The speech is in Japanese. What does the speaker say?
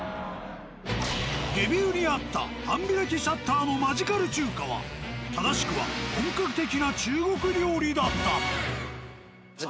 レビューにあった「半開きシャッターのマジカル中華」は正しくは本格的な中国料理だった。